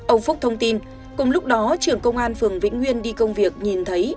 ông phúc thông tin cùng lúc đó trưởng công an phường vĩnh nguyên đi công việc nhìn thấy